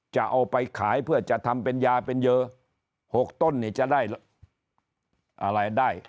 จะเอาไปขายเพื่อจะทำเป็นยาเป็นเยอ๖ต้นนี่จะได้อะไรได้